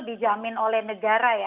dijamin oleh negara ya